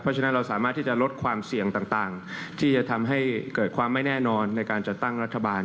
เพราะฉะนั้นเราสามารถที่จะลดความเสี่ยงต่างที่จะทำให้เกิดความไม่แน่นอนในการจัดตั้งรัฐบาล